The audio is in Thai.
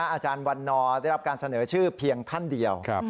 อาจารย์วันนอร์ได้รับการเสนอชื่อเพียงท่านเดียว